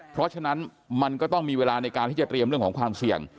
เพราะฉะนั้นมันก็ต้องมีเวลาในการที่จะเตรียมเรื่องของความเสี่ยง